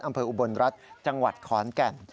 อำเกิร์นอุบรณรัฐจังหวัดข้อนแก่น